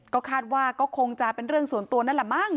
ก็คาดว่าก็คงจะเป็นเรื่องส่วนตัวนั่นแหละมั้ง